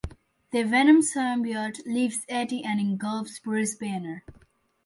The Venom symbiote leaves Eddie and engulfs Bruce Banner.